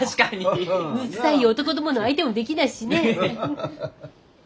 むさい男どもの相手もできないしね。